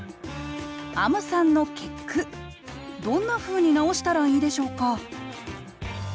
あむさんの結句どんなふうに直したらいいでしょうか？